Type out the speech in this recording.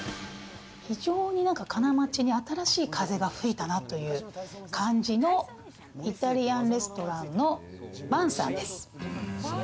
非常に、金町に新しい風が吹いたなという感じのイタリアンレストランのＶＡＮＳＡＮです。